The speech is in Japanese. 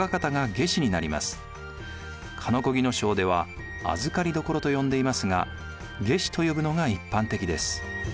鹿子木荘では預所と呼んでいますが下司と呼ぶのが一般的です。